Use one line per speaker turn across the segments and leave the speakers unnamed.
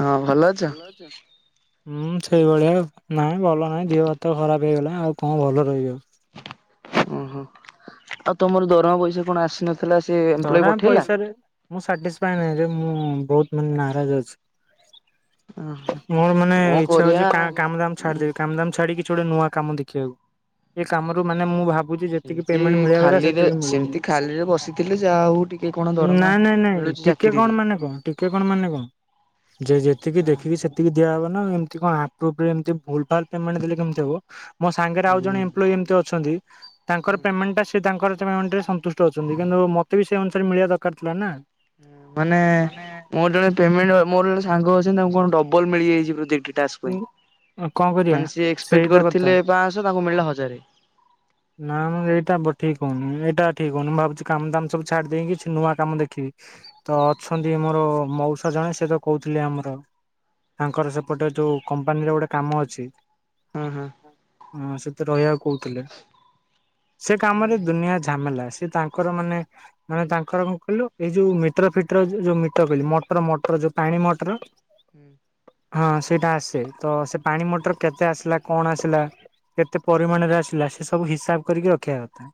ହଁ ଭଲ ଅଛ
ହୁଁ ସେଇଭଳିଆ ନା ଭଲ ନାହିଁ ଦେହ ହାତ ଖରାପ ହେଇଗଲା। ଆଉ କଣ ଭଲ ରହିବ?
ଓହୋ ଆଉ ତମର ଦରମା ପଇସା କଣ ଆସିନଥିଲା ସେ ଏମ୍ପ୍ଲୋଇ
ଧରା
ପଠେଇଲା?
ପଇସାରେ ମୁଁ ସାଟିସ୍ଫାଏ ନାହିଁ ରେ ମୁଁ ବହୁତ ମାନେ ନାରାଜ ଅଛି। ମୋର ମାନେ
କଣ
ଇଚ୍ଛା
କରିବା
ହଉଛି କା-କାମ ଦାମ
ଉଁ
ଛାଡିଦେବି କାମଦାମ ଛାଡିକି। କିଛି ଗୋଟେ ନୂଆ କାମ ଦେଖିବାକୁ ଏ କାମରୁ ମାନେ ମୁଁ ଭାବ ହେଉଛି ଯେତିକି
ସେମିତି
ପେମେଣ୍ଟ ମିଳିବା କଥା ସେତିକି ମିଳିନି।
ଥିଲେ ଯାହାଉ ଟି
ନାଇଁ ନାଇଁ ନାଇଁ ଟିକେ କଣ ମାନେ କଣ ଟିକେ କଣ ମାନେ କଣ ଯେ ଯେତିକି
ହୁଁ।
ଦେଖିବି ସେ ତିକି ଦିଆହବ ନା ଏମତି କଣ ଅପ୍ରୁବୁ ରେ ଏମିତି ଭୁଲ୍ ଭାଲ ପେମେଣ୍ଟ ଦେଲେ କେମତି ହବ ମୋ ସାଙ୍ଗରେ ଆଉ ଜଣେ ଏମ୍ପୋଲି ଏମତି ଅଛନ୍ତି। ତାଙ୍କର ପେମେଣ୍ଟ ଟା ସେ ତାଙ୍କର ପେମେଣ୍ଟରେ ସନ୍ତୁଷ୍ଟ ଅଛନ୍ତି କିନ୍ତୁ ମୋତେ ବି ସେ ଅନୁସାରେ ମିଳିବା ଦରକାର ଥିଲା ନା,
ମାନେ ମୋର ଜଣେ ପେମେଣ୍ଟ ମୋର ଜଣେ ସାଙ୍ଗ ଅଛନ୍ତି ତାଙ୍କୁ କଣ ଡବଲ ମିଳିଯାଇଛି ପ୍ରୋଜକ୍ଟରେ ଟାସ୍କ ପାଇଁ
କଣ କରିବା
ମାନେ ସେ ଏକ୍ସପେକ୍ଟ
ସେଇତ କଥା।
କରିଥିଲେ ପାଞ୍ଚଶହ ତାଙ୍କୁ ମିଳିଲା ହଜାରେ
ନା ମୁଁ ଏଇଟା ଠିକ ହଉନି ଏଇଟା ଠିକ ହଉନି ମୁଁ ଭାବୁଛି କାମ ଦାମ ସବୁ ଛାଡି ଦେଇକି କିଛି ନୂଆ କାମ ଦେଖିବି ତ ଅଛନ୍ତି ମୋର ମଉସା ଜଣେ ସେ ତ କହୁଥିଲେ ଆମର ତାଙ୍କର ସେପଟେ ଯୋଉ କମ୍ପାନୀର ଗୋଟେ କାମ ଅଛି।
ହଁ ହଁ।
ହଁ ସେତ ରହିବାକୁ କହୁଥିଲେ, ସେ କାମରେ ଦୁନିଆ ଝା ଝାମେଲା ସେ ତାଙ୍କର ମାନେ, ମାନେ ତାଙ୍କର କଣ କହିଲୁ ଏଇ ଯୋଉ ମିଟର ଫିଟର ଯୋଉ ମିଟର କହିଲି ମଟର ମଟର ଯୋଉ ପାଣି ମଟର,
ହୁଁ
ହଁ ସେଇଟା ଆସେ ତ ସେ ପାଣି ମଟର କେତେ ଆସିଲା କଣ ଆସିଲା କେତେ ପରିମାଣରେ ଆସିଲା ସେ ସବୁ ହିସାବ କରିକି ରଖିବା କଥା।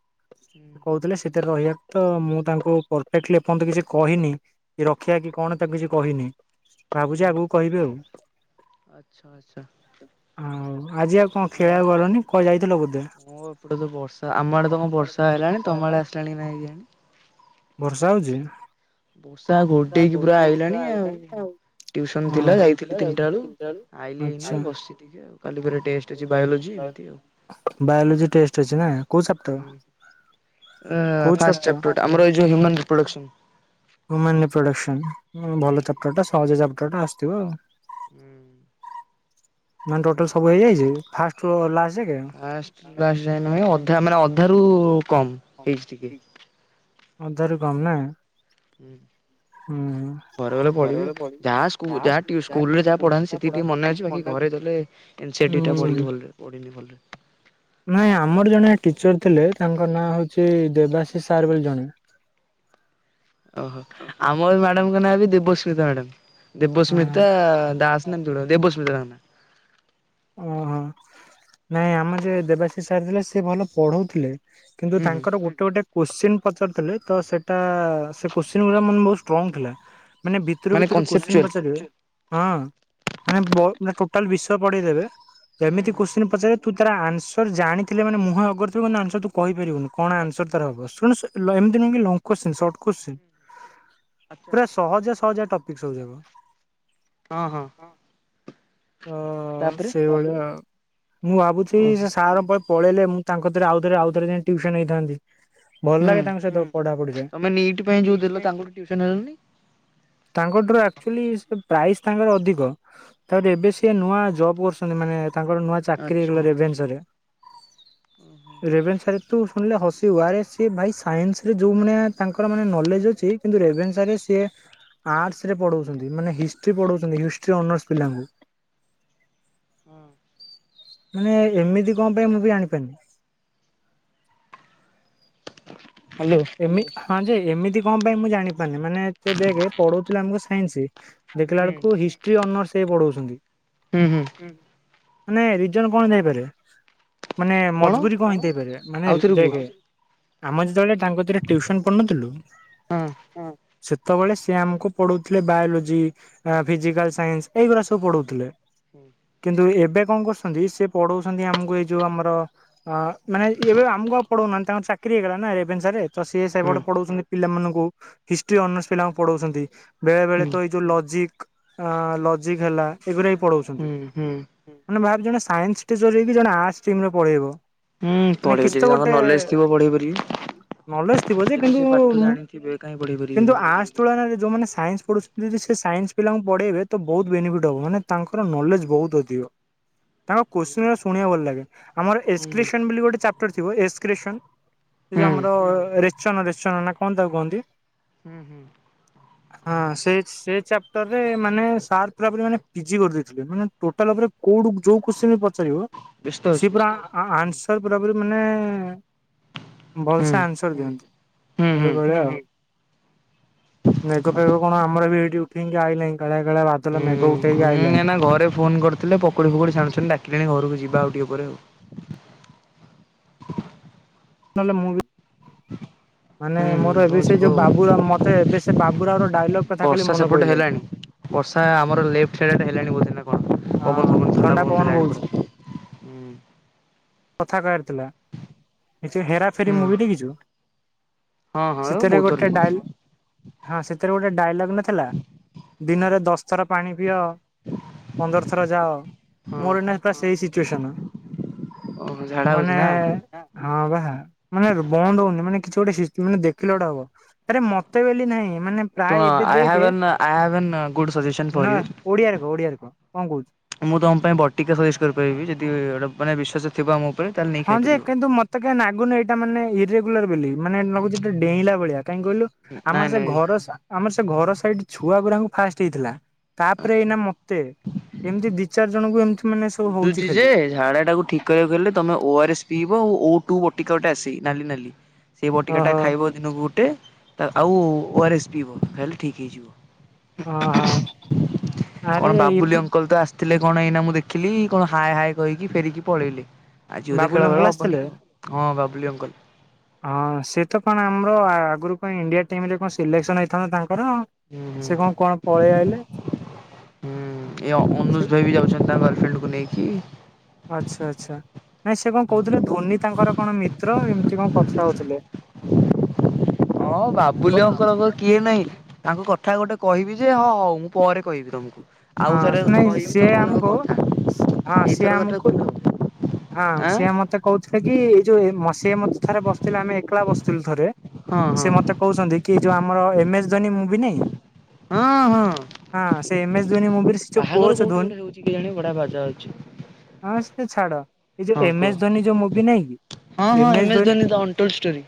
କହୁଥିଲେ ସେଥିରେ ରହିବା ପ ତ ମୁଁ ତାଙ୍କୁ ପରଫେକ୍ଟଲି ଏପର୍ଯ୍ୟନ୍ତ କିଛି କହିନି, କି ରଖିବା କି କଣ ତାକୁ କିଛି କହିନି ଭାବୁଛି ଆଗକୁ କହିବି ଆଉ,
ଆଛା ଆଚ୍ଛା।
ଆଉ ଆଜି ଆଉ କଣ ଖେଳିବାକୁ ଗଲନି କୁଆଡେ ଯାଇଥିଲ ବୋଧେ
ଆଉ ମୁଁ ଏପଟେ ତ ବର୍ଷା ଆମ ଆଡେ ତ କଣ ବର୍ଷା ହେଲାଣି ତମ ଆଡେ ଆସ ହେଲାଣି ନାହିଁ ଆଜ୍ଞା।
ବର୍ଷା ହଉଛି?
ବର୍ଷା ଘୋଡେଇକି ପୁରା ଆଇଲାଣି ଆଉ। ଟ୍ୟୁସନ ଥିଲା ଯାଇଥିଲି ତିନିଟା ବେଳୁ
ବେଳୁ
ଆଇଲି ହେଇନା ବସିିକେ ଆଉ କାଲି ଫେରେ ଟେଷ୍ଟ ଆଜି ବାୟୋଲୋଜି
ବାୟୋଲୋଜି ଟେଷ୍ଟ ଅଛି ନା କୋଉ ଚାପ୍ଟର?
ଟା
କୋଉ
ଫାର୍ଷ୍ଟ ଚାପ୍ଟର ଟା ଆମର ଏଇ ଯୋଉ ହୁଆମ୍ ରିପ୍ରଡକ୍ସନ,
ହ୍ୟୁମାନ ରିପଡ଼କ୍ସନ ହୁଁ ଭଲ ଚାପ୍ଟର ଟା ସହଜ ଚାପ୍ଟର ଟା ଆସୁଥିବ ଆଉ,
ହୁଁ।
ମାନେ ଟୋଟାଲ ସବୁ ହେଇଯାଇଛି ଫାଷ୍ଟ ଟୁରୁ ଲାଷ୍ଟ ଯାଗେ?
ଫାର୍ଷ୍ଟ ରୁ ଲାଷ୍ଟ ଯାକେ ନୁହେଁ ଅଧା ମାନେ ଅଧା ରୁ କମ ହେଇଛି ଟିକେ।
ଅଧାରୁ କମ ନା?
ହୁଁ।
ହୁଁ।
ଘରେ ଗଲେ ପଢିବି ଆଉ ଯାହା ଯ ସ୍କୁଲରେ ଯାହା ପଢାହେଊଛି ସେତିି ଟିକେ ମନେ ଅଛି ବାକି ଘରେ ଗଲେ ଏନ୍ ସି ଡିଟା ପଢ଼ିବି
ହୁଁ।
ଭଲରେ ପଢ଼ିନି ଭଲରେ
ନାଇଁ ଆମର ଜଣେ ଟିଚର୍ ଥିଲେ ତାଙ୍କ ନାଁ ହେଉଛି ଦେବାଶିଷ ସାର୍ ବୋଲି ଜଣେ,
ଓହୋ ଆମର ମ୍ୟାଡାମଙ୍କ ନାଁ ବି ଦେବସ୍ମିତା ମ୍ୟାଡାମ ଦେବସ୍ମିତା ଦାସ। ଜାଣିଛୁ ନା ଦେବସ୍ମିତା ତାଙ୍କ ନାଁ
ଓହୋ ନାଇଁ ଆମ ଯେ ଦେବାଶିଷ୍ ସାର୍ ଥିଲେ ସେ ଭଲ ପଢଉଥିଲେ। କିନ୍ତୁ
ହୁଁ ହୁଁ
ତାଙ୍କର ଗୋଟେ ଗୋଟେ କୋଶ୍ଚିନ୍ ପଚାରୁିଥିଲେ ତ ସେଇଟା ସେ କୋଶ୍ଚିନ୍ ଗୁଡ଼ା ମନେ ବହୁତ ଷ୍ଟ୍ରଙ୍ଗ୍ ଥିଲା। ମାନେ ଭିତରୁ ଭିତରୁ କୋଶ୍ଚିନ୍ ପଚାରିବେ ହଁ ମାନେ ଟୋଟାଲ ବିଷୟ ପଢେଇଦେବେ
ହୁଁ
ଏମିତି
ହୁଁ
କୋଶ୍ଚିିନ ପଚାରିଲେ ତୁ ତାର ଆନ୍ସର ଜାଣିଥିଲେ ମାନେ ମୁହଁ ଅଗରଥିବ ଆନ୍ସର ତୁ କହିପାରିବୁନି। କଣ
ଆଚ୍ଛା
ଆନ୍ସର ତାର ହବ। ସେମିତି ନୁହେଁ କି ଲଙ୍ଗ କୋଚୀନ୍ ସଟ କଶ୍ଚିନ୍
ଆଚ୍ଛା
ପୁରା
ଆଚ୍ଛା
ସହଜିଆ ସହଜିଆ ଟପିକ ସବୁ ଯାକ,
ହଁ ହଁ।
ତ
ତାପରେ
ସେଇଭଳିଆ ମୁଁ ଭାବୁଛି
ଓ
ସେ ସାର [inaudible] ପଳେଇଲେ ମୁଁ ତାଙ୍କ ଥେରେ ଆଉଥରେ ଆଉ ଥରେ ଯାଇ ଟ୍ୟୁସନ ହେଇଥାନ୍ତି। ଭଲ
ହୁଁ
ଲାଗେ ତାଙ୍କ ସହିତ ପଢାପଢିରେ
ତମେ ନିଟ୍
ବାକି
ଯୋଉ
ଏଇଥି
ଦେଲ
ପାଇଁ
ତାଙ୍କଠୁ ଟିଉସନ ହେଲନି?
ତାଙ୍କଠାରୁ ଆକ୍ଚୁଆଲି ପ୍ରାଇସ୍ ତାଙ୍କର ଅଧିକ ତାପରେ ଏବେ ସିଏ ନୂଆ ଜବ୍ କରୁ ମାନେ ତାଙ୍କର ନୂଆ ଚାକିରି
ଆଚ୍ଛା
ହେଇଗଲା ରେଭେନ୍ସାରେ ରେଭେନ୍ସାରେ ତୁ ଶୁଣିଲେ ହସିବୁ ଆରେ ସିଏ ଭାଇ ସାଇନ୍ସରେ ଯୋଉ ମାନେ ତାଙ୍କର ମାନେ ନଲେଜ ଅଛି। କିନ୍ତୁ ରେଭେନ୍ସାରେ ସିଏ ଆର୍ଟସରେ ପଢ଼ାଉଛନ୍ତି ମାନେ ହିଷ୍ଟ୍ରି ପଢ଼ାଉଛନ୍ତି ହିଷ୍ଟ୍ରି ଅନର୍ସ ପିଲାଙ୍କୁ।
ହୁଁ।
ମାନେ ଏମିତି କଣ ପାଇଁ ମୁଁ ବି ଜାଣିପାରୁନି।
ହାଲୋ।
ହଁ ଯେ ଏମିତି କଣ ପାଇଁ ମୁଁ ଜାଣିପାରୁନି ମାନେେ ଦେଖେ ପଢଉଥିଲେ ଆମକୁ ସାଇନ୍ସ ଦେଖିଲା
ହୁଁ
ବେଳକୁ ହିଷ୍ଟ୍ରି ଅନର୍ସ ସେଇ ପଢଉଛନ୍ତି।
ହୁଁ ହୁଁ।
ହୁଁ ମାନେ ରିଜନ କଣ ଥାଇପାରେ। ମାନେ ମଜବୁରି କଣ ହେଇଥେଇପାରିବ ମାନେ
ଆଉଥରେ କୁହ
ଦେଖ ଆମ ଯେତେବେଳେ ତାଙ୍କ ଟିଉସନ କରୁନଥିଲୁ।
ହଁ।
ସେତେବେଳେ ସେ ଆମକୁ ପଢଉଥିଲେ ବାୟୋଲୋଜି। ଫିଜିକାଲ ସାଇନ୍ସ ଏଇଗୁଡ଼ା ସବୁ ପଢଉଥିଲେ।
ହୁଁ
କିନ୍ତୁ ଏବେ କଣ କରୁଛନ୍ତି ସେ ପଢଉଛନ୍ତି ଆମକୁ ଏଇ ଯୋଉ ଆମର ଅ ମାନେ ଏବେ ଆମକୁ ଆଉ ପଢ଼ଉନାହାନ୍ତି ତାଙ୍କର ଚାକିରି ହେଇଗଲା ନା ରେଭେନ୍ସାରେ। ତ ସିଏ
ହୁଁ
ସେପଟେ ପଢଉଛନ୍ତି ପିଲାମାନଙ୍କୁ ହିଷ୍ଟ୍ରି ଅନର୍ସ ପିଲାଙ୍କୁ ପଢାଉଛନ୍ତି ବେଳେ ବେଳେ
ହୁଁ
ତ ଏଇ ଯୋଉ ଲଜିକ୍ ଆଁ ଲଜିକ୍ ହେଲା ଏଗୁଡା ବି ପଢ଼ଉଛନ୍ତି।
ହୁଁ ହୁଁ।
ମାନେ ଭାବେ ଜଣେ ସାଇନ୍ସ ଟିଚର ହେଇକି ଜଣେ ଆର୍ଟସ ଷ୍ଟ୍ରିମରେ ପଢେଇବ।
ହୁଁ
ମାନେ କିଛି ତ
ପଢେଇଦେବେ ତାଙ୍କର
ଗୋଟେ
ନଲେଜ ଥିବ ପଢେଇ ପାରିବେ।
ନଲେଜ ଥିବ ଯେ କିନ୍ତୁ
କାହିଁ ପଢେଇ
କିନ୍ତୁ
ପାରିବେନି
ଆର୍ଟସ ତୁଳନାରେ ଯୋଉମାନେ ସାଇନ୍ସ ପଢ଼ୁଛନ୍ତି ଯଦିସେ ସାଇନ୍ସ ପିଲାଙ୍କୁ ପଢ଼େଇବେ ତ ବହୁତ ବେନିଫିଟ୍ ହେବ ମାନେ ତାଙ୍କର ନଲେଜ ବହୁତ ଅଧିକ। ତାଙ୍କ କୋଶ୍ଚିନ ଗୁରା ଶୁଣିବାକୁ ଭଲ ଲାଗେ ଆମର
ହୁଁ
ଏସ୍କ୍ରିପସନ ବୋଲି ଗୋଟେ ଚାପ ଟର ଥିବ ଏକ୍ସରିସନ୍ ସେ ଯୋଉ
ହୁଁ
ଆମର ରେଚନ ରେଚନ ନା କଣ ତାକୁ କହନ୍ତି?
ହୁଁ ହୁଁ।
ହଁ ସେ ସେ ଚାପ୍ଟରରେ ମାନେ ସାର୍ ପୁରା ପୁରି ମାନେ ପିଜି କରିଦେଇଥିଲେ ମାନେ ଟୋଟାଲ ଉପରେ କୋଉଠୁ ଯୋଉ କୋଶ୍ଚିନ୍ ପଚାରିବ
ବ୍ୟସ୍ତ ଅଛି
ସେ ପୁରା ଆ ଆନ୍ସର ପୁରା ପୁରି ମାନେ
ହୁଁ।
ତା ଆନ୍ସର ଦିଅନ୍ତି
ହୁଁ ହୁଁ।
ସେଇ ଭଳିଆ ଆଉ। ମେଘ ଫେଗ କଣ ଆମର ବି ଏଠି ଉଠେଇ ଆଇଲାଇଁ କାଳିଆ କାଳିଆ ଭା
ହୁଁ ହୁଁ ନା ଘରେ ଫୋନ କରିଥିଲେ ପକୁଡ଼ି ଫକୁଡି ଛାଣୁଛନ୍ତି ଡାକିଲେଣି ଘରକୁ ଯିବା ଆଉ ଟିକେ ପରେ ଆଉ।
ନହେଲେ ମୁଭି ମାନେ
ହୁଁ ହୁଁ
ମୋର
ହଉ
ଏବେ ସେ
ଯିବ
ଯୋଉ
ଆଉ।
ବାବୁରାମ ମତେ ଏବେ ସେ ବାବୁରାଓର ଡାଇଲଗ୍ କଥା ଖାଲି
ବର୍ଷା
ମନେ
ସେପଟେ
ପଡିଲାଇଁ।
ହେଲାଣି? ବର୍ଷା ଆମର ଲେଫ୍ଟ ସାଇଡ ଆଡେ ହେଲାଣି ବୋଧ ନା କଣ ପବନ ଫବନ ଥଣ୍ଡା ପବନ ଦେଲାଣି। ହୁଁ।
କଥା କହିବାରଥିଲା ହେଇ ହେରା ଫେରି
ହୁଁ
ମୁଭି ଦେଖିଛୁ?
ହଁ ହଁ
ସେଥିରେ
ବହୁତ ଥର
ଗୋଟେ
ଦେଇଛି।
ଡାଇଲ ହଁ ସେଥିରେ ଗୋଟେ ଡାଇଲଗ୍ ନଥିଲା ଦିନରେ ଦଶଥର ପାଣି ପିଅ।
ହ [inaudible]
ପନ୍ଦର ଥର ଯାଅ ମୋର ଏଇନେ ପରା ସେଇ ସିଚୁଏସନ।
ଓହୋ ଝାଡ଼ା ହଉଛି
ମାନେ
ନା?
ହଁ ବା ମାନେ ବନ୍ଦ ହଉନି ମାନେ କିଛି ଗୋଟେ ସି ମାନେ ଦେଖ ଦେଖିଲେ ଗୋଟେ ହବ ଆରେ ମତେ ବୋଲି ନାହିଁ ମାନେ
ଶୁଣ
ପ୍ରାୟ ଏବେ
ଆଇ ହାଭ୍
ଦେଖେ
an I have an good suggestion for
ନା
ୟୁ।
ଓଡିଆ ରେ କ ଓଡିଆ ରେ କ କଁ କହୁଚୁ।
ମୁଁ ତମ ପାଇଁ ବଟିକା ସଜେଷ୍ଟ କରିପାରିବି ଯଦି ଏଇଟା ମାନେ ବିଶ୍ୱାସ। ଥିବା ଆମ ଉପରେ ତାହେଲେ। ନେଇ
ହଁ ଯେ
ଖାଇପାରିବ।
କିନ୍ତୁ ମତ୍ ତେ କାଇଁ ନାଗୁନି ଏଇଟା ମାନେ ଇରେଗୁଲାର ବୋଲି ମାନେ ଯେମତି ଲାଗୁଚି ଏଇଟା ଡେଇଁଲା ଭଳିଆ କାହିଁକି କହିଲୁ।
ନାଇଁ
ଆମର ସେ
ନାଇଁ
ଘର ସ୍ ଆମର ସେ ଘର ସାଇଡ ଛୁଆ ଗୁଡାଙ୍କୁ ଫାଷ୍ଟ ହେଇଥିଲା ତାପରେ
ଆଚ୍ଛା
ଏଇନା ମୋ ତେ ଏମିତି ଦି ଚାରି ଜଣଙ୍କୁ ଏମତି।
ବୁଝୁଛିି ଯେ ଝାଡା ଟାକୁ ଠିକ। କହିବାକୁ ଗଲେ ତମେ ଓ ଆର ଏସ ପିଇବ ଓ ଓ ଟୁ ବଟିକା ଗୋଟେ ଆସେ ନାଲି ନାଲି ସେଇ ବଟିକା ଟା
ଓହୋ
ଖାଇବ। ଦିନକୁ ଗୋଟେ ଆଉ ଓ ଆର୍ ଏସ୍ ପିଇବ ତାହେଲେ ଠିକ୍ ହେଇଯିବ।
ହଁ ହଁ
କଣ
ଆରେ
ବାବୁଲି ଅଙ୍କଲ ତ ଆସି ଥିଲେ କଣ ଏଇନା ମୁଁ ଦେଖିଲି କଣ ହାଏ ହାଏ କହିକି ଫେରିକି ପଳେଇଲେ। ଆଜି ବୋଧେ
ବାବୁଲ
ଖେଳ
ଅଙ୍କଲ
ଫେଳ ହବନି
ଆସିଥିଲେ?
ଆଉ ହଁ ବାବୁଲି ଅଙ୍କଲ।
ହଁ ସିଏ ତ କଣ ଆମର ଆଗରୁ କଣ ଇଣ୍ଡିଆ ଟିମ ରେ କଣ ସିଲେକ୍ସନ ହେଇଥାନ୍ତା ତାଙ୍କର।
ହୁଁ ହୁଁ
ସେ କଣ କଣ ପଳେଇ ଆଇଲେ?
ହୁଁ ଏ
ସେ
ଅନୁଜ ଭାଇ ବି ଯାଉଛନ୍ତି ତାଙ୍କ ଗର୍ଲଫ୍ରେଣ୍ଡକୁ ନେଇକି।
ଆଚ୍ଛା ଆଚ୍ଛା ନାଇଁ ସେ କଣ କହୁଥିଲେ ଧୋନି ତାଙ୍କର କଣ ମିତ୍ର ଏମିତି କଣ କଥା ହଉଥିଲେ।
ହଁ ବାବୁଲି ଅଙ୍କଲ ଙ୍କର। ଇଏ ନାହିଁ ତାଙ୍କ କଥା ଗୋଟେ କହିବି ଯେ ହଁ ହଉ ମୁଁ ପରେ କହିବି ତମକୁ। ଆଉ
ହଁ
ଥରେ
ନାଇଁ
କହିବି
ସିଏ
ତମକୁ ତାଙ୍କ
ଆମକୁ ହଁ
କଥା
ସିଏ
ଏଇଥର କଟା
ଆମକୁ
କୁହ।
ହଁ
ଆଁ
ସିଏ ମତେ କହୁଥିଲେ କି ଏଇ ଯୋଉ ମ ସିଏ ମତେ ଥରେ ବସିଥିଲେ ଆମେ ଏକଲା ବସିଥିଲୁ ଥରେ।
ହଁ
ସେ
ହଁ
ମତେ କହୁଛନ୍ତି କି ଏଇ ଯୋଉ ଆମର ଏମ ଏସ୍ ଧୋନୀ ମୁଭି ନାଇଁ।
ହଁ ହଁ।
ହଁ ସେ ଏମ ଏସ୍ ଧ୍ୱନି ମୁଭି ରେ ସେ ଯୋଉ
ବାହାଘର
କୋଚ
କୋଉଠି
ଧୋନି
ଗୋଟେ ହଉଛି କେଜାଣି ବଢ଼ିଆ ବାଜା ଆଉଚି।
ହଁ ସିଏ ଛାଡ। ଏଇ ଯୋଉ ଏମ
କୁହ
ଏସ୍ ଧୋନୀ ଯୋଉ ମୁଭି ନହିଁ
ହଁ
କି
ହଁ
M S Dhoni.
Dhoni the untold story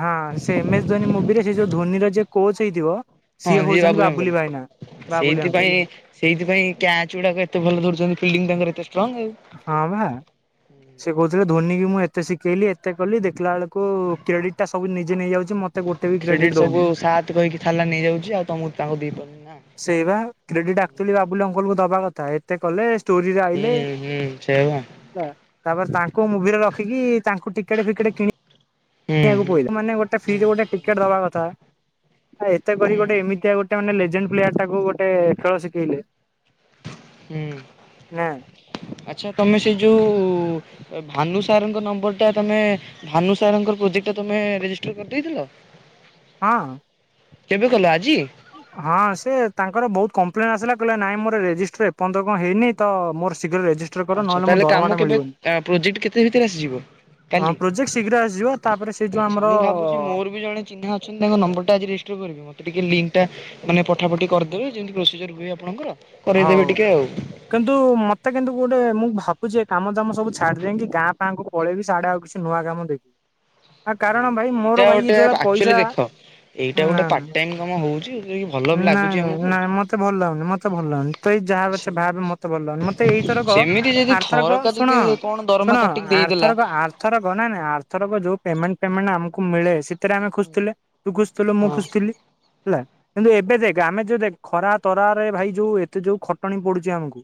ହଁ ସେ ଏମ ଏସ୍ ଧୋନି ମୁଭିରେ ସେ ଯୋଉ ଧୋନିର ଯିଏ କୋଚ ହେଇଥିବ।
ହଁ ସିଏ
ହଉଛନ୍ତି
ବାବୁଲି
ଭାଇନା
ଅଙ୍କଲ
ବାବୁଲି
ସେଇଥି
ଅଙ୍କଲ
ପାଇଁ। ସେଇଥି ପାଇଁ କ୍ୟାଚ ଗୁଡାକ ଏତେ ଭଲ ଧରୁଉଛନ୍ତି ଫିଲ୍ଡିଙ୍ଗ ତାଙ୍କର ଏତେ ଷ୍ଟ୍ରଙ୍ଗ ଆଉ।
ହଁ ବା। ସେ କହୁଥିଲେ ଧୋନୀ କି ମୁଁ ଏତେ ଶିଖେଇଲି ଏତେ କଲି ଦେଖିଲା ବେଳକୁ କ୍ରେଡିଟ ଟା ସବୁ ନିଜେ ନେଇଯାଉଛି। ମତେ ଗୋଟେ ବି
କ୍ରେଡିଟ
ଦଉନି।
ସବୁ ସାତ କହିକି ଥାଲା ନେଇଯାଉଛି ଆଉ ତମୁକୁ ତାଙ୍କୁ ଦେଇ ପାରୁନି।
ସେଇ ବା କ୍ରେଡିଟ ଆକୁଚଲି ବାବୁଲି ଅଙ୍କଲ କୁ ଦବା କଥା ଏତେ କଲେ। ଷ୍ଟୋରିରେ
ହୁଁ
ଆଇଲେ
ହୁଁ ସେୟା ବା।
ହେଲା ତାପରେ ତାଙ୍କ ମୁଭିରେ ରଖିକି ତାଙ୍କୁ ଟିକେଟେ ଫିକେଟେ କିଣି
ହୁଁ
ଆକୁ
ହୁଁ
ପଇଲା ତାଙ୍କୁ ମାନେ ଗୋଟା ଫ୍ରି
ହୁଁ
ରେ ଗୋଟା ଟି ଟିକେଟ ଦବା କଥା ଆଉ ଏତେ କରି
ହୁଁ।
ଗୋଟେ ଏମିତିଆ ଗୋଟେ। ତା ମାନେ ଲେଜେଣ୍ଡ ପ୍ଲେୟାର ଟାକୁ ଗୋଟେ ଖେଳ ଶିଖେଇଲେ।
ହୁଁ
ନା
ଆଛା ତମେ ସେଇ ଯୋଉ। ଭାନୁ ସାରଙ୍କର ନମ୍ବର ଟା ତମେ ଭାନୁ ସାରଙ୍କ ପ୍ରୋଜେକ୍ଟ ଟା ତମେ ରେଜିଷ୍ଟର କରିଦେଇଥିଲ। ହ
ହଁ।
କେବେ କଲ ଆଜି।
ହଁ ସେ ତାଙ୍କର ବହୁତ କମ୍ପଲେନ ଆସିଲା କହିଲେ ନାଇଁ ମୋର ରେଜିଷ୍ଟର ଏପର୍ଯ୍ୟ କଣ ହେଇନି ତ ମୋର ଶୀଘ୍ର ରେଜିଷ୍ଟ
ଆଛା ତାହେଲେ କାମ କେବେ ପ୍ରୋଜେକ୍ଟ କେତେ ଭିତରେ ଆସିଯିବ।
ହଁ
କାଲି
ପ୍ରୋଜେକ୍ଟ ଶୀଘ୍ର ଆସିଯିବ ତାପରେ ସେ ଯୋଉ
ଆଛା
ଆମର
ମୁଁ ଭାବୁଛି ମୋର ବି ଜଣେ। ଚିହ୍ନା ଅଛନ୍ତି ତାଙ୍କ ନମ୍ବର ଟା ଆଜି ରେଜିଷ୍ଟର କରିବି ମତେ ଟିକେ ଲିଙ୍କ ଟା। ମାନେ ପଠା ପଠି କରିଦେବେ ଯେମିତି ପ୍ରୋସିଜିଅର ହୁଏ ଆପଣଙ୍କର।
ହଉ।
କରେଇଦେବେ ଟିକେ ଆଉ।
କିନ୍ତୁ ମତେ କିନ୍ତୁ ଗୋଟେ ମୁଁ ଭାବୁଛି ଏ କାମ ଦାମ ସବୁ ଛାଡିଦେଇ କି ଗାଁ ପାାଁ କୁ ପଳେଇବି ସିଆଡେ ଆଉ କିଛି ନୂଆ କାମ ଦେ
ନାଇଁ ନାଇଁ ଏଇଟା ଗୋଟେ
ଯୋଉଭଳିଆ
ଆକ୍ଚୁଆଲି
ପଇସା
ଦେଖ ଏଇଟା
ନା
ଗୋଟେ ପାର୍ଟ ଟାଇମ କାମ ହଉଛି। ଯୋଉଟା କି ଭଲ ବି ଲାଗୁଛି
ନାଇଁ ନାଇଁ
ଆମକୁ।
ନାଇଁ ମତେ ଭଲ ଲାଗୁନି ମତେ ଭଲ ଲାଗୁନି ତୁଏଇ ଯାହା ପଛେ ଭାବେ ମ ମତେ ଭଲ ଲାଗୁନି ମତେ ଏଇଥରକ
ସେମିତି ଯଦି
ଆର୍ଥରକ
ଥରକା ଯଦି
ଶୁଣ
କଣ ଦରମା
ଶୁଣ
କାଟିକି ଦେଇଦେଲା
ଆର୍ଥରକ ଆର୍ ଏଥରକ ନାଇଁ ନାଇଁ ଆର୍ଥରକ ଯୋଉ ପେମେଣ୍ଟ ଫେମେଣ୍ଟ ଆମକୁ ମିଳେ ସି ସେଥିରେ ଆମେ ଖୋସୁଥିଲେ ତୁଖୋସୁଥିଲୁ ମୁଁ
ହଁ
ଖୁସିଥିଲି ହେଲା। କିନ୍ତୁ ଏବେ ଦେଖ ଆମେ ଯୋଉ ଦେଖ ଖରା ତରାରେ ଭାଇ ଯୋଉ ଏତେ ଯୋଉ ଖଟଣି ପଡୁଛି ଆମକୁ।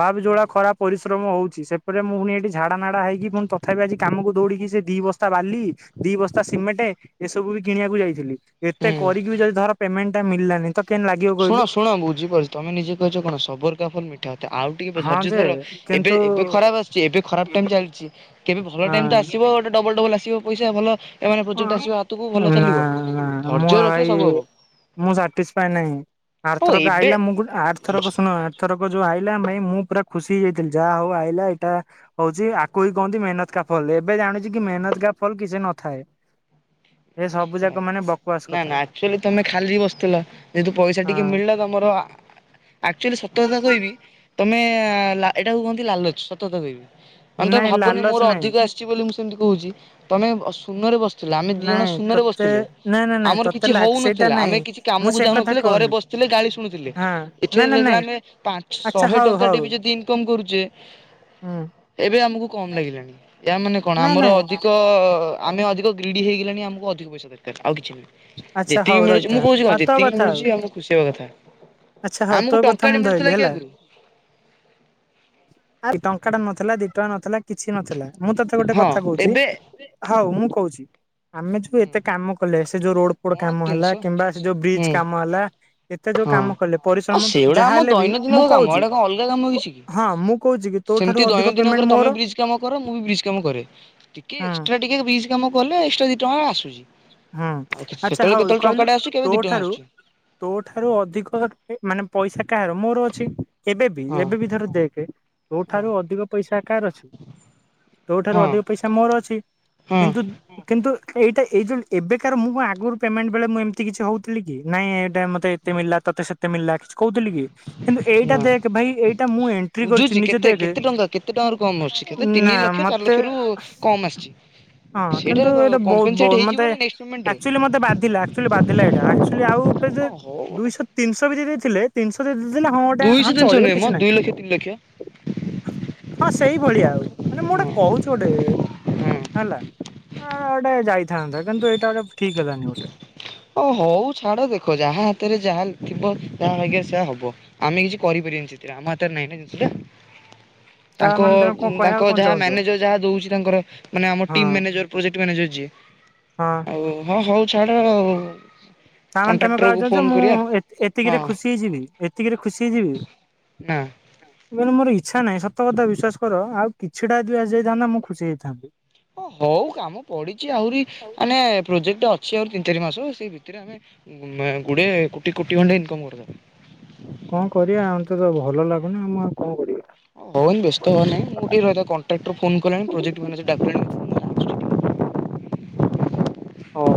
ଭାବେ ଯୋଉଡ଼ା ଖରାପ୍ ପରିଶ୍ରମ ହଉଛି ସେପରେ ମୁଁ ପୁଣି ଏଠି ଝାଡ଼ା ନାଡ଼ା ହେଇକି ପୁଣି ତଥାପି ଆଜି କାମକୁ ଦୌଡ଼ିକି ସେ ଦୁଇ ବସ୍ତା ବାଲି ଦି ବସ୍ତା ସିମେଣ୍ଟ ଏସବୁ ବି କିଣିବାକୁ ଯାଇଥିଲି। ଏତେ
ହୁଁ
କରିକି ବି ଯଦି ଧର ପେମେଣ୍ଟ ଟା ମଳିଲାନି ତ କେମତି ଲାଗିବ
ଶୁଣ
କହିଲୁ।
ଶୁଣ ବୁଝିପାରୁଛି ତମେ ନିଯେ କହିଛ କଣ ସବର କା ଫଲ ମିଠା ହୋଥାଏ ଆଉ ଟିକେ
ହଁ
ଧର୍ଯ୍ୟ
ଯେ
ଧର ଏବେ
କିନ୍ତୁ
ଏବେ ଖରାପ ଆସୁଛି ଏବେ ଖରାପ ଟାଇମ ଚାଲିଛି କେବେ ଭଲ ଟାଇମ ତ ଆସିବ
ହଁ
ଗୋଟେ ଡବଲ ଡବଲ ଆସ ଆସିବ ପଇସା ଭଲ ଏମାନେ ପ୍ରୋଜେକ୍ଟ ଆସିବ ହାତକୁ ଭଲ
ନା
ଚାଲିବ
ନା ମୁଁ
ଧୈର୍ଯ୍ୟ ରଖିଲେ ସବୁ
ଭାଇ
ହବ।
ମୁଁ ସାଟିସଫାଏ ନାହିଁ
ହଉ
ଆର୍ଥରକ
ଏବେ
ଆଇିଲା ମୁଁ ଗୋଟେ ଆର୍ଥରକ ଶୁଣ ଆର୍ଥରକ ଯୋଉ ଆଇ ଲା ମାଇ ମୁପୁରା ଖୁସିହେଇ ଯାଇଥିଲି ଯାହାହଉ ଆଇିଲା ଏଇଟା ହଉଛି ଆକୁ ହିଁ କହନ୍ତି ମେହନତ କା ଫଲ ଏବେ ଜାଣୁଛି କି ମେହନତ କା ଫଲ କିଛି ନଥାଏ। ପୂଜାକ ମାନେ ବକ୍
ନା ନା ଆକ୍ଚୁଆଲି ତମେ ଖାଲି ବସିଥିଲ ଯେହେତୁ ପଇସା ଟିକେ
ହଁ
ମିଳିଲା ତମର ଆ ଆକ୍ଚୁଆଲି ସତ କଥା କହିବି ତମେ ଲା ଏଇଟାକୁ କୁହନ୍ତି ଲାଲଚ ସତ କଥା କହିବି। ମାନେ ତମେ
ନାଇଁ
ଭାବୁନି
ଲାଲଚ
ମୋର
ନାଇଁ।
ଅଧିକ ଆସିଛି ବୋଲି ମୁଁ ସେମିତି କହୁଛି ତମେ ଶୂନରେ ବସିଥିଲେ ଆମେ ଦି ଜଣ
ନାଇଁ
ଶୂନରେ
ତତେ
ବସିଥିଲେ
ନାଇଁ ନାଇଁ ନାଇଁ
ଆମର
ତତେ
କିଛି
ଲାଗ ସେଇଟା
ହଉନଥିଲା
ନାଇଁ।
ଆମେ କିଛି
ମୁଁ
କାମକୁ
ସେ କଥା
ଯାଉନଥିଲେ ଘରେ
କହୁନି
ବସିଥିଲେ ଗାଳି ଶୁଣୁଥିଲେ।
ହଁ ନାଇଁ ନାଇଁ ନାଇଁ
[unintelligible] ପାଞ୍ଚ
ଆଚ୍ଛା
ଶହେ
ହଉ ହଉ
ଟଙ୍କାଟେବି ଯଦି ଇନକମ୍ କରୁଚେ
ହୁଁ।
ଏବେ ଆମକୁ କମ୍ ଲାଗିଲାଣି ଏହା ମାନେ କଣ
ନାଇଁ
ଆମର
ନାଇଁ
ଅଧିକ ଆମେ ଅଧିକ ଗ୍ରୀଡ଼ି ହେଇଗଲେଣି ଆମକୁ ଅଧିକ ପଇସ ଦରକାର ଆଉ କିଛି ନୁହେଁ।
ଆଚ୍ଛା ହଉ
ଯେତିକି ମିଳୁଛି
ରହିଥା
ମୁଁ କହୁଛି କଣ
ଆଉ ତୋ
ଯେତିକି
କଥା ଆଉ
ମିଳୁଛି ଆମକୁ ଖୁସି ହେବା କଥା।
ଆଚ୍ଛା ହଉ
ଆମକୁ
ତୋ କଥା
ଟଙ୍କାଟେ
ମୁଁ
ମିଳୁଥିଲା
ଧଇଲି
କି
ହେଲା।
ଆଗରୁ
ଟଙ୍କା ଟେ ନଥିଲା ଦି ଟଙ୍କା ନଥିଲା କିଛି ନଥିଲା। ମୁଁ ତୋତେ ଗୋଟେ
ହଁ
କଥା କହୁଛି
ଏବେ
ହଉ ମୁଁ କହୁଛି। ଆମେ ଯୋଉ ଏତେ କାମ କଲେ ସେ ଯୋଉ ରୋଡ ପୋଡ
କଣ
କାମ ହେଲା
ତିନିଶହ
କିମ୍ବା ସେ ଯୋଉ ବ୍ରିଜ
ହୁଁ
କାମ ହେଲା ଏତେ ଯୋଉ କାମ
ହଁ
କଲେ
ଆଉ
ପରିଶ୍ରମ
ସେଗୁଡା
ଯାହା
ଆମ
ହେଲେ ବି
ଦୈନନ୍ଦିନ
ମୁଁ
କାମ
କହୁଛି
ଏଗୁଡା କଣ ଅଲଗା କାମ କିଛି କି?
ହଁ ମୁଁ କହୁଛି କି। ତୋ ଠାରୁ
ସେମିତି
ଅଧିକ
ଦୈନନ୍ଦିନ
ପେମେଣ୍ଟ
କରେ ତମେ
ମୋର
ବ୍ରିଜ୍ କାମ କର ମୁଁ ବି ବ୍ରିଜ୍ କାମ କରେ ଟିକେ
ହୁଁ
ଏକ୍ସଟ୍ରା ଟିକେ ବ୍ରିଜ କାମ କଲେ ଏକ୍ସଟ୍ରା ଦି ଟଙ୍କା ଆସୁଛି।
ହୁଁ
ଆଉ କିଛି
ଆଚ୍ଛା
ସେତେବେଳେ
ହଉ
କେତେବେଳେ
କହିଲୁ
ଟଙ୍କା ଟେ ଆସୁଛି କେବେ
ତୋ
ଦି ଟଙ୍କା
ଠାରୁ
ଆସୁଛି।
ତୋ ଠାରୁ ଅଧିକ ମାନେ ପଇସା କାହାର ମୋର ଅଛି। ଏବେ ବି
ହଁ
ଏବେ ବି ଧର ଦେଖେ ତୋ ଠାରୁ
ହଁ
ଅଧିକ ପଇସା କାହାର ଅଛି? ତୋଠାରୁ ଅଧିକ ପଇସା ମୋର ଅଛି
ହଁ
କିନ୍ତୁ କିନ୍ତୁ ଏଇଟା ଏଇ ଯୋଉ ଏବେ କାର ମୁଁ କଣ ଆଗରୁ ପେମେଣ୍ଟ ବେଳେ ମୁଁ ଏମିତି କିଛି ହଉଥିଲି କି ନାଇଁ ଏଇଟା ମତେ ଏତେ ମିଳିଲା ତତେ ସେ ତେ ମିଳିଲା କିଛି କହୁଥିଲି କି? କିନ୍ତୁ ଏଇଟା
ନା।
ଦେଖେ ଭାଇ ଏଇଟା ମୁଁ ଏଣ୍ଟ୍ରି କରୁଛି
ବୁଝୁଛି
ନିଜେ
କେତେ
ଦେଖେ।
କେତେ ଟଙ୍କା କେତେ ଟଙ୍କାରୁ କମ୍ ଆସୁଛି କେତେ ତିନି
ନା
ଲକ୍ଷ ଚାରି
ମତେ
ଲକ୍ଷରୁ କମ୍ ଆସିଛି।
ହଁ
ସେଇଟା
କିନ୍ତୁ ଏଇଟା ବହୁତ
କମ୍ପେନସେଟ୍
ବହୁତ ମତେ
ହେଇଯିବନି ନେକ୍ସଟ୍ ପେମେଣ୍ଟରେ
ଆକ୍ଚୁଆଲି ମତେ ବାଧିଲା ଆକ୍ଚୁଆଲି ବାଧିଲା ଏଇଟା ଆକ୍ଚୁଆଲି ଆଉ
ହଁ ହଉ
ଦୁଇଶହ ତିନିଶହ ବି ଦେଇଦେଇଥିଲେ ତିନିଶହ ଦେଇଦେଇଥିଲେ ହଁ ଗୋଟେ ହ
ଦୁଇଶହ ତିନିଶହ
ଚଳିବ
ନୁହେଁ ମ
କିଛି
ଦୁଇ ଲକ୍ଷ
ନହିଁ।
ତିନି ଲକ୍ଷ
ହଁ ସେଇଭଳିଆ ଆଉ ମାନେ ମୁଁ ଗୋଟେ
ହଁ
କହୁଛି ଗୋଟେ।
ହଁ।
ହେଲା ହଁ ହଁ ଗୋଟେ ଯାଇଥାନ୍ତା କିନ୍ତୁ ଏଇଟା ଗୋଟେ ଠିକ ହେଲାନି ଗୋଟେ।
ଓ ହଉ ଛାଡ ଦେଖ ଯାହା ହାତରେ ଯାହା ଥିବ ତାହା ଭାଗ୍ୟ ରେ ସେୟା ହବ। ଆମେ କିଛି କରିପାରିବାନି ସେଥିରେ ଆମ ହାତରେ ନାଇଁ ନା ଜିନିଷ ଟା।
ତା
ତାଙ୍କ
ମାନେ ତମେ କଣ କହିବାକୁ
ତାଙ୍କ
କଣ
ଯାହା
ଚାହୁଁଛ
ମ୍ୟାନେଜର ଯାହା ଦଉଛି ତାଙ୍କର ମାନେମର
ହଁ
ଟିମ୍ ମ୍ୟାନଜର ପ୍ରୋଜେକ୍ଟ ମ୍ୟାନଜର ଯିଏ
ହଁ
ଆଉ ହଁ ହଉ ଛାଡ଼
ତାମାନେ ତମେ କହୁଛ ମୁଁ
ହଁ
ଏତିକିରେ ଖୁସି ହେଇଯିବି ଏତିକିରେ ଖୁସି ହେଇଯିବି
ନା
ମ ମୋର ଇଚ୍ଛା ନାହିଁତ କଥା ବିଶ୍ୱାସ କର ଆଉଛିଟା ଯଦି ଆ ଯାଇଥାନ୍ତା ମୁଁ ଖୁସି ହେଇଥାଆନ୍ତି
ଓ ହଉ କାମ ପଡିଛି ଆହୁରି ମାନେ ପ୍ରୋଜେକ୍ଟ ଅ ସିଏ ଆଉ ତିନି ଚାରି ମାସ ସେଇ ଭିତରେ ଆମେ ଗୋଡ଼ିଏ କୋଟି କୋଟି ଖଣ୍ଡେ ଇନକମ୍ କରିଦେବା
କଣ କରିବା ଆମ ତେ ତ ଭଲ ଲାଗୁନି ଆମ ଆଉ କଣ କରିବା
ହଉନି ବ୍ୟସ୍ତ ହବନହିଁ ଟିକଏହିଲ କଣ୍ଟ୍ରାକ୍ଟ ଫୋ କଣି ପ୍ରୋଜେକ୍ଟ ମାନେଜର ଡାକିଲଣି
ହଉ